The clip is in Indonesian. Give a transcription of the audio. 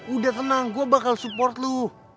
udah tenang gue bakal support lu